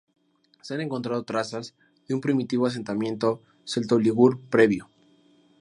Se han encontrado trazas de un primitivo asentamiento celto-ligur previo.